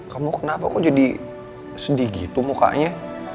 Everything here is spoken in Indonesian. kamu kenapa kok jadi sedih gitu mukanya